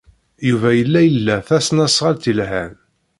Yuba yella ila tasnasɣalt yelhan.